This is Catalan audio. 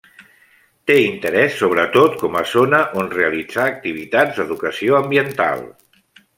Té interès sobretot com a zona on realitzar activitats d'educació ambiental.